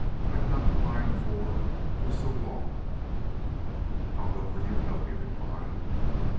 "I've not climbed for for so long." "I'll go where you go," he replied.